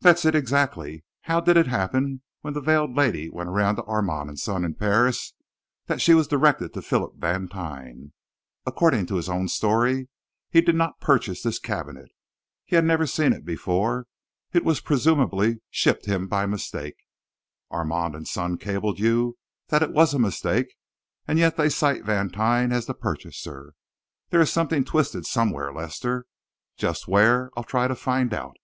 "That's it, exactly. How did it happen, when the veiled lady went to Armand & Son in Paris, that she was directed to Philip Vantine? According to his own story, he did not purchase this cabinet; he had never seen it before; it was presumably shipped him by mistake; Armand & Son cable you that it was a mistake; and yet they cite Vantine as the purchaser. There is something twisted somewhere, Lester; just where I'll try to find out."